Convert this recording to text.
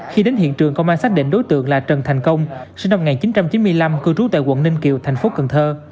khi đến hiện trường công an xác định đối tượng là trần thành công sinh năm một nghìn chín trăm chín mươi năm cư trú tại quận ninh kiều thành phố cần thơ